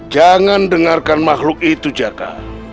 jangan dengarkan makhluk itu jaka